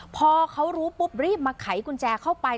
พอเขารู้ปุ๊บรีบมาไขกุญแจเข้าไป